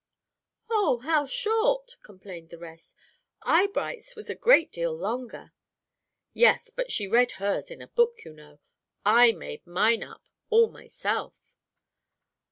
"Oh, how short!" complained the rest. "Eyebright's was a great deal longer." "Yes, but she read hers in a book, you know. I made mine up, all myself."